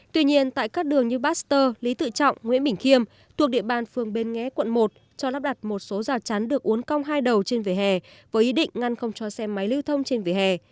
tuy nhiên tại các đường như baxter lý tự trọng nguyễn bình khiêm thuộc địa bàn phường bến nghé quận một cho lắp đặt một số rào chắn được uốn cong hai đầu trên vỉa hè với ý định ngăn không cho xe máy lưu thông trên vỉa hè